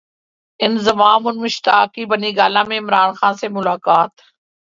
انضمام اور مشتاق کی بنی گالا میں عمران خان سے ملاقات